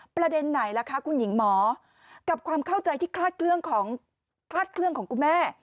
ประเด็นไหนล่ะคะคุณหญิงหมอกับความเข้าใจที่คลาดเครื่องของคุณแม่